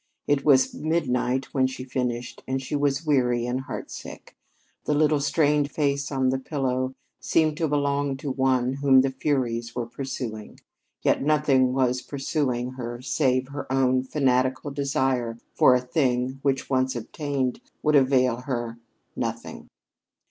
It was midnight when she finished, and she was weary and heartsick. The little, strained face on the pillow seemed to belong to one whom the furies were pursuing. Yet nothing was pursuing her save her own fanatical desire for a thing which, once obtained, would avail her nothing.